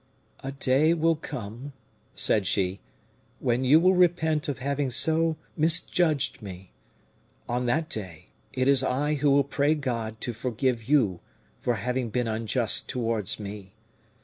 "A day will come," said she, "when you will repent of having so misjudged me. On that day, it is I who will pray God to forgive you for having been unjust towards me.